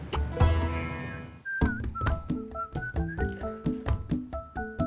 wuluh bang udin